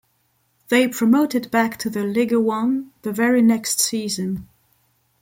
They promoted back to the Liga One the very next season.